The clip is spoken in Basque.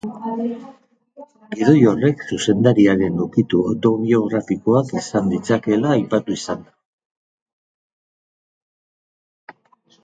Gidoi horrek zuzendariaren ukitu autobiografikoak izan ditzakeela aipatu izan da.